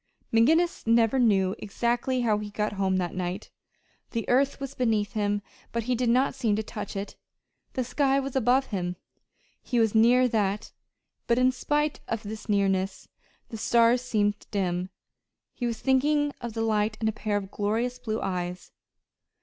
McGinnis never knew exactly how he got home that night. The earth was beneath him, but he did not seem to touch it. The sky was above him he was nearer that. But, in spite of this nearness, the stars seemed dim he was thinking of the light in a pair of glorious blue eyes.